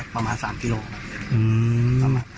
ประมาณ๓กิโลครับ